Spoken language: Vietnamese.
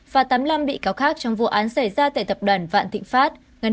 và tám mươi năm bị cáo khác trong vụ án xảy ra tại tập đoàn vạn thịnh pháp